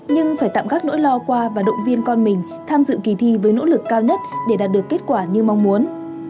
nhưng phải tạm gác nỗi lo qua và động viên con mình tham dự kỳ thi với nỗ lực cao nhất để đạt được kết quả như mong muốn